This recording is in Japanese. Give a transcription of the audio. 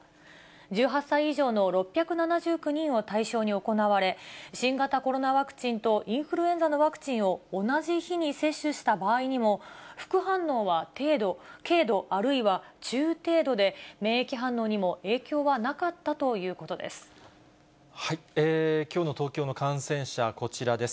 １８歳以上の６７９人を対象に行われ、新型コロナワクチンとインフルエンザのワクチンを同じ日に接種した場合にも、副反応は軽度、あるいは中程度で、免疫反応にもきょうの東京の感染者、こちらです。